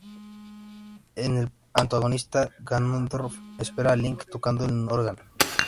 En el antagonista, Ganondorf, espera a Link tocando el órgano.